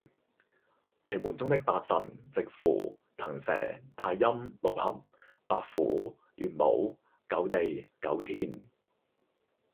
奇门中的八神，值符，腾蛇、太阴、六合、白虎、玄武、九地、九天